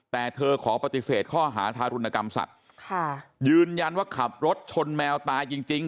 แต่เธอขอปฏิเสธข้อหาทารุณกรรมสัตว์ค่ะยืนยันว่าขับรถชนแมวตายจริงจริง